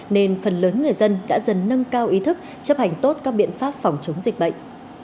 nên phần lớn người dân đã dần nâng cao ý thức chấp hành tốt các biện pháp phòng chống dịch bệnh